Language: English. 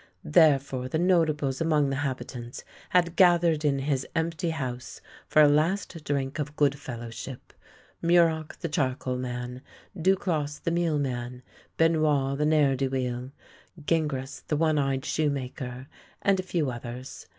Therefore, the notables among the habitants had gathered in his empty house for a last drink of good fellowship — Mu roc the charcoalman, Duclosse the mealman, Benoit the ne'er do weel, Gingras the one eyed shoemaker, and a few others.